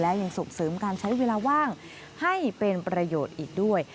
และยังส่งเสริมการใช้เวลาว่างให้เป็นประโยชน์อีกด้วย